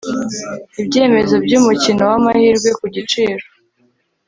ibyemezo by umukino w amahirwe ku giciro